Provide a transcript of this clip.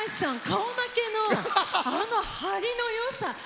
顔負けのあの張りのよさ。